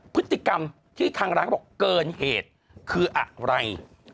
พฤติกรรมที่ทางร้านเขาบอกเกินเหตุคืออะไร